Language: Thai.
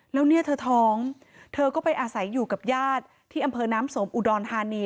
แล้วเนี่ยเธอท้องเธอก็ไปอาศัยอยู่กับญาติที่อำเภอน้ำสมอุดรธานี